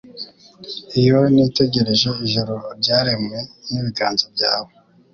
Iyo nitegereje ijuru ryaremwe n’ibiganza byawe